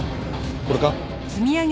これか？